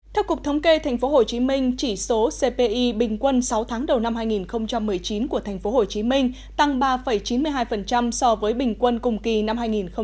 theo cục thống kê tp hcm chỉ số cpi bình quân sáu tháng đầu năm hai nghìn một mươi chín của tp hcm tăng ba chín mươi hai so với bình quân cùng kỳ năm hai nghìn một mươi tám